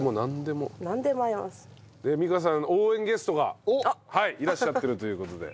美香さん応援ゲストがはいいらっしゃってるという事で。